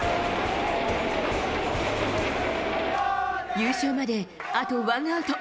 優勝まであとワンアウト。